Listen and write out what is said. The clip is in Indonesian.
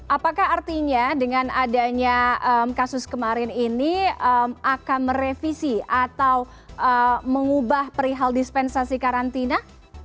apakah artinya dengan adanya kasus kemarin ini akan merevisi atau mengubah perihal dispensasi karantina